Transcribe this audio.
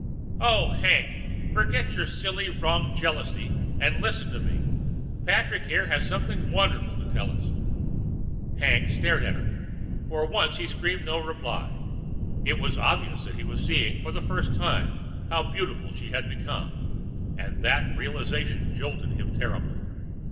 "Oh, Hank, forget your silly, wrong jealousy and listen to me. Patrick here has something wonderful to tell us." Hank stared at her. For once he screamed no reply. It was obvious that he was seeing for the first time how beautiful she had become, and that the realization jolted him terribly.